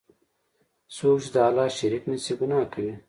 څوک چی د الله شریک نیسي، ګناه کوي.